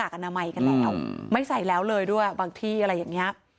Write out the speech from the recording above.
อนามัยกันแล้วไม่ใส่แล้วเลยด้วยบางที่อะไรอย่างนี้